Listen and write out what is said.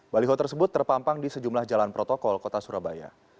baliho tersebut terpampang di sejumlah jalan protokol kota surabaya